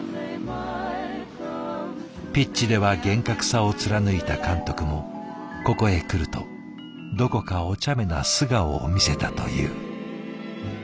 ピッチでは厳格さを貫いた監督もここへ来るとどこかおちゃめな素顔を見せたという。